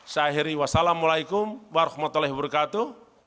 seakhiri wassalamualaikum warahmatullahi wabarakatuh